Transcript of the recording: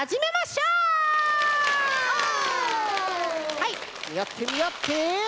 はいみあってみあって！